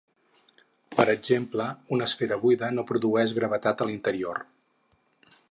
Per exemple, una esfera buida no produeix gravetat a l'interior.